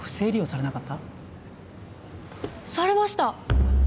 されました！